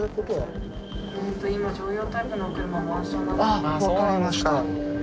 あっ分かりました。